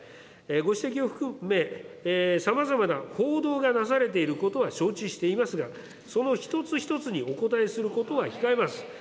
ご指摘を含め、さまざまな報道がなされていることは承知をしていますが、その一つ一つにお答えすることは控えます。